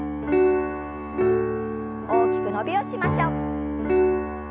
大きく伸びをしましょう。